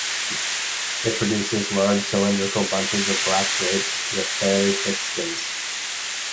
It produces large cylindrical bunches of black grapes with fairly thick skins.